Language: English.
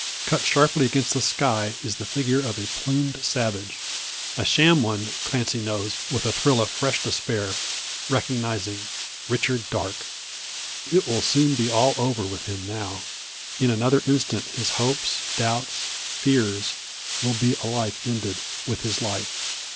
Cut sharply against the sky is the figure of a plumed savage; a sham one Clancy knows, with a thrill of fresh despair, recognising Richard Darke. It will soon be all over with him now; in another instant his hopes, doubts, fears, will be alike ended, with his life.